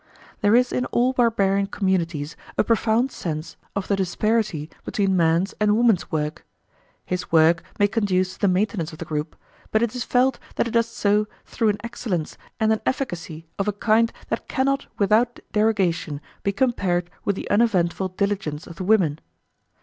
There is in all barbarian communities a profound sense of the disparity between man's and woman's work. His work may conduce to the maintenance of the group, but it is felt that it does so through an excellence and an efficacy of a kind that cannot without derogation be compared with the uneventful diligence of the women.